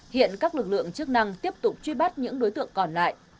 hiện các lực lượng chức năng tiếp tục truy bắt những đối tượng còn lại